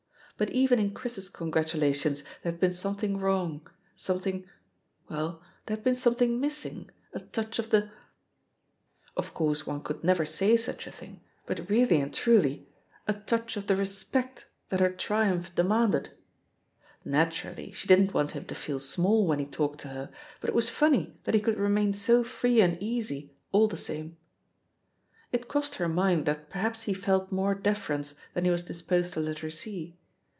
But even in Chris's congratulations there had been something wrong, something — ^well, there had been something miss ing, a touch of the Of course one could never say such a thing, but really and truly, a touch of the respect that her triumph demanded I Naturally, she didn't want him to feel small when he talked to her, but it was funny that he could remain so free and easy, all the samet ••• It crossed her mind that perhaps he felt more deference than he was disposed to let her see.